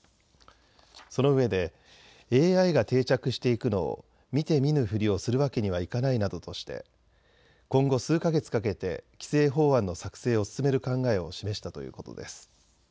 そのうえでＡＩが定着していくのを見て見ぬふりをするわけにはいかないなどとして、今後、数か月かけて規制法案の作成を進める考えを示したということです。